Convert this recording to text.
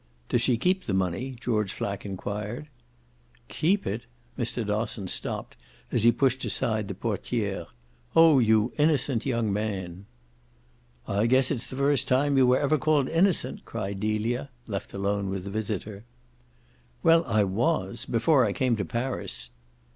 "Does she keep the money?" George Flack enquired. "KEEP it?" Mr. Dosson stopped as he pushed aside the portiere. "Oh you innocent young man!" "I guess it's the first time you were ever called innocent!" cried Delia, left alone with the visitor. "Well, I WAS before I came to Paris."